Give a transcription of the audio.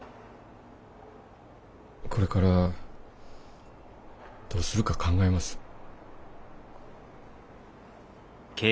これからどうするか考えます。